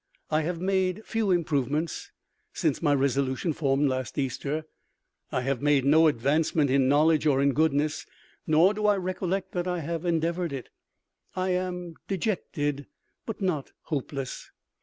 I have made few improvements. Since my resolution formed last Easter, I have made no advancement in knowledge or in goodness; nor do I recollect that I have endeavored it. I am dejected, but not hopeless.